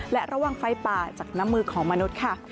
และระวังไฟป่าจากน้ำมือของมนุษย์ค่ะ